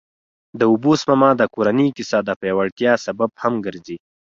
د اوبو سپما د کورني اقتصاد د پیاوړتیا سبب هم ګرځي.